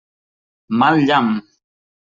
Mal llamp!